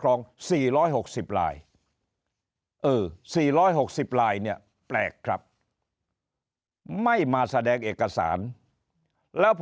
ครอง๔๖๐ลายเออ๔๖๐ลายเนี่ยแปลกครับไม่มาแสดงเอกสารแล้วพอ